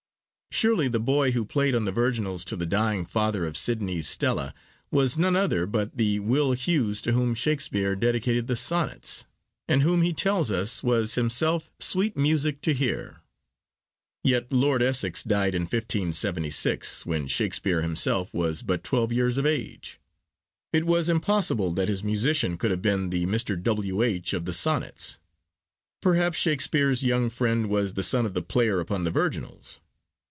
Surely the boy who played on the virginals to the dying father of Sidney's Stella was none other but the Will Hews to whom Shakespeare dedicated the Sonnets, and who he tells us was himself sweet 'music to hear.' Yet Lord Essex died in 1576, when Shakespeare himself was but twelve years of age. It was impossible that his musician could have been the Mr. W. H. of the Sonnets. Perhaps Shakespeare's young friend was the son of the player upon the virginals?